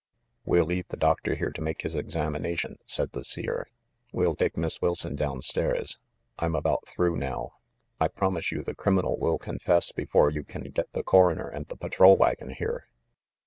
"We'll leave the doctor here to make his examina tion," said the Seer. "We'll take Miss Wilson down stairs. I'm about through, now. I promise you the criminal will confess before you can get the coroner and the patrol wagon here."